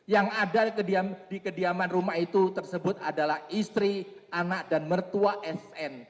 yang ada di kediaman rumah itu tersebut adalah istri anak dan mertua sn